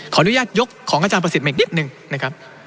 อนุญาตยกของอาจารย์ประสิทธิ์มาอีกนิดนึงนะครับ